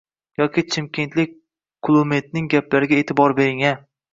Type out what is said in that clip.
Yoki chimkentlik Qulumetning gaplariga e`tibor bering-a